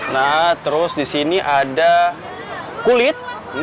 nah terus di sini ada kulit